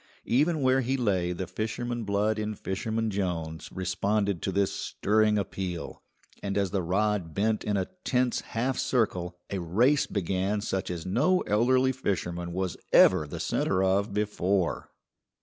Even where he lay the fisherman blood in Fisherman Jones responded to this stirring appeal, and as the rod bent in a tense half circle a race began such as no elderly fisherman was ever the centre of before.